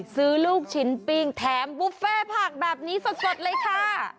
ลูกชิ้นปิ้งแถมบุฟเฟ่ผักแบบนี้สดเลยค่ะ